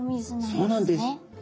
そうなんです。